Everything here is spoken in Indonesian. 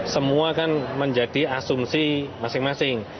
semua kan menjadi asumsi masing masing